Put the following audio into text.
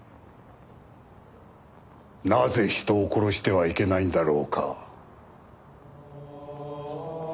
なぜ人を殺してはいけないんだろうか？